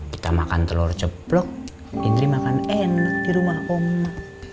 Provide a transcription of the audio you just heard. kita makan telur ceplok industri makan enak di rumah oma